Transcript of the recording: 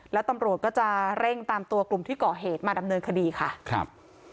แล้วตำรวจก็จะเร่งตามตัวกลุ่มที่ก่อเหตุมาดำเนินคดีค่ะครับ